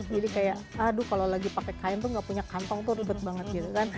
jadi kayak aduh kalau lagi pakai kain tuh gak punya kantong tuh rupet banget gitu kan